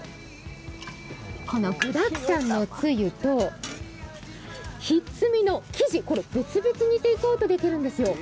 この具だくさんのつゆとひっつみの生地、別々にテイクアウトできるんですよ。